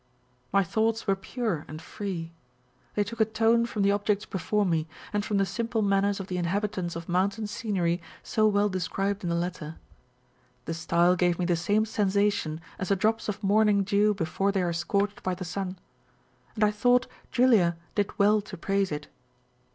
My thoughts were pure and free. They took a tone from the objects before me, and from the simple manners of the inhabitants of mountain scenery so well described in the letter. The style gave me the same sensation as the drops of morning dew before they are scorched by the sun ; and I thought Julia did well to praise it.